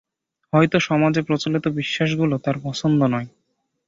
হয়ত সমাজের প্রচলিত বিশ্বাসগুলো তার পছন্দ নয়।